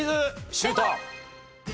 シュート！